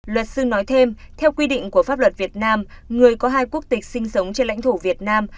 luật sư nói thêm theo quy định của pháp luật việt nam người có hai quốc tịch sinh sống trên lãnh thổ việt nam